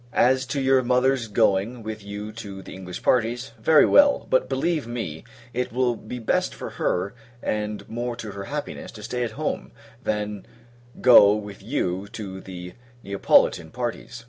As to your mother's going with you to the English parties, very well; but, believe me, it will be best for her, and more to her happiness, to stay at home, than go with you to the Neapolitan parties.